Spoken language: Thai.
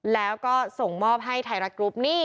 แล้วก็ส่งมอบให้ไทยรัฐกรุ๊ปนี่